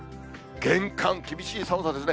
厳寒、厳しい寒さですね。